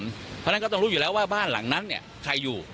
เพราะฉะนั้นก็ต้องรู้อยู่แล้วว่าบ้านหลังนั้นเนี่ยใครอยู่